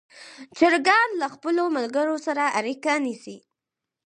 چرګان له خپلو ملګرو سره اړیکه نیسي.